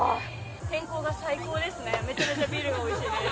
天候が最高ですね、めちゃめちゃビールがおいしいです。